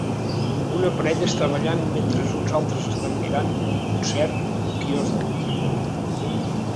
Una parella està ballant mentre uns altres estan mirant un concert en un quiosc de música.